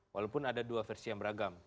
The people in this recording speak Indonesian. walaupun ada dua versi yang beragam